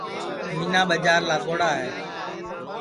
مینا ٻجار لاڳوڑا ہے